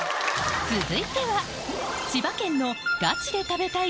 続いては千葉県のガチで食べたい